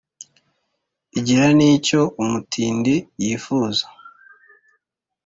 igira n’icyo umutindi yifuza,